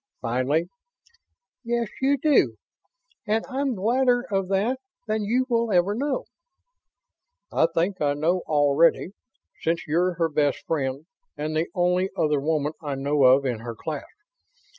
Finally: "Yes, you do; and I'm gladder of that than you will ever know." "I think I know already, since you're her best friend and the only other woman I know of in her class.